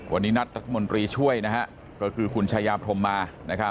วันนี้นัดรัฐมนตรีช่วยนะฮะก็คือคุณชายาพรมมา